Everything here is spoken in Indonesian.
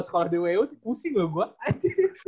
kalau di uu tuh pusing banget